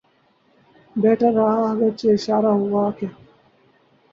بیٹھا رہا اگرچہ اشارے ہوا کیے